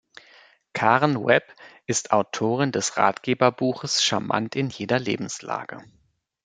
Karen Webb ist Autorin des Ratgeber-Buches "Charmant in jeder Lebenslage".